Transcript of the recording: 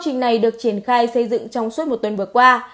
cơ sở thu dung f đã được triển khai xây dựng trong suốt một tuần vừa qua